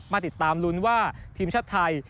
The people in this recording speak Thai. มาติดตามลุ้นว่าทีมชาติไทย